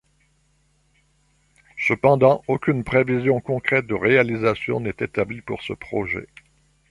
Cependant aucune prévision concrète de réalisation n'est établie pour ce projet.